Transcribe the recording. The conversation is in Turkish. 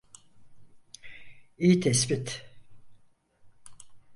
İyi tespit.